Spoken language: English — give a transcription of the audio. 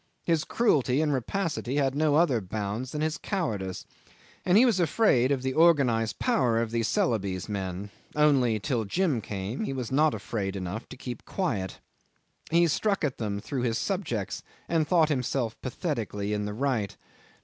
His cruelty and rapacity had no other bounds than his cowardice, and he was afraid of the organised power of the Celebes men, only till Jim came he was not afraid enough to keep quiet. He struck at them through his subjects, and thought himself pathetically in the right.